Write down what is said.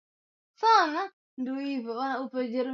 redio zinaongezeka kulingana na mabadiliko ya sayansi na teknolojia